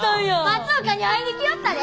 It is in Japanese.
松岡に会いに来よったで！